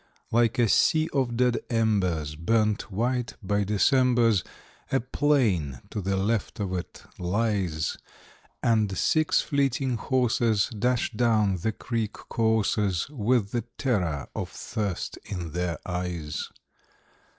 Like a sea of dead embers, burnt white by Decembers, A plain to the left of it lies; And six fleeting horses dash down the creek courses With the terror of thirst in their eyes.